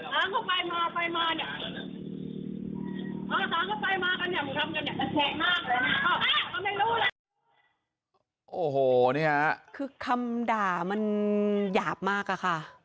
ไม่เงียบคำด่ามันอยาบมากค่ะ